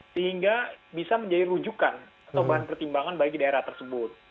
sehingga bisa menjadi rujukan atau bahan pertimbangan bagi daerah tersebut